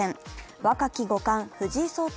若き五冠・藤井聡太